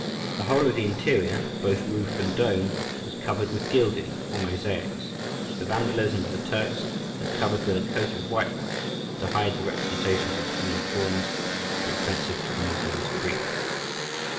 The whole of the interior, both roof and dome, was covered with gilding or mosaics, which the Vandalism of the Turks has covered with a coat of whitewash, to hide the representations of human forms which are offensive to the Moslems' creed.